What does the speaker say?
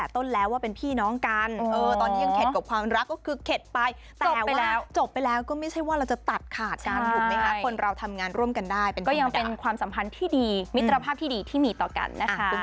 ตอนนี้ยังเข็ดกับความรักก็คือเข็ดไปแต่ว่าจบไปแล้วก็ไม่ใช่ว่าเราจะตัดขาดการลุกนะคะคนเราทำงานร่วมกันได้ก็ยังเป็นความสัมพันธ์ที่ดีมิตรภาพที่ดีที่มีต่อกันนะคะ